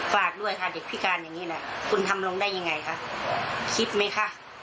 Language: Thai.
ฝากด้วยค่ะเด็กพิการอย่างนี้นะคุณทำลงได้ยังไงคะคิดไหมคะ